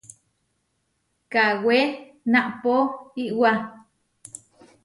Kawé naʼpó iʼwá.